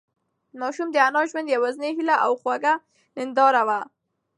ماشوم د انا د ژوند یوازینۍ هيله او خوږه ننداره وه.